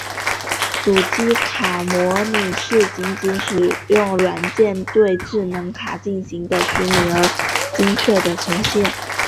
主机卡模拟是仅仅使用软件对智能卡进行的虚拟而精确的呈现。